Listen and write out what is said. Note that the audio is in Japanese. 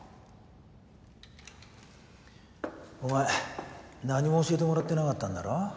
お前何も教えてもらってなかったんだろ？